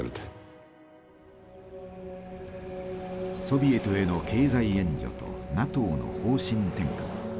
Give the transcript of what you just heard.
ソビエトへの経済援助とＮＡＴＯの方針転換。